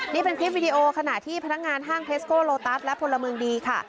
นี่เป็นคลิปวิดีโอขณะที่พนักงานห้างเทสโกโลตัสและพลเมืองดีค่ะ